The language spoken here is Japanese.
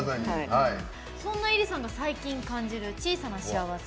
そんなｉｒｉさんが最近感じる「小さな幸せ」